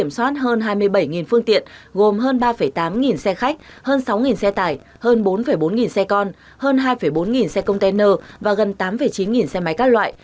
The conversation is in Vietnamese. với bảy phương tiện gồm hơn ba tám trăm linh xe khách hơn sáu xe tải hơn bốn bốn trăm linh xe con hơn hai bốn trăm linh xe container và gần tám chín trăm linh xe máy các loại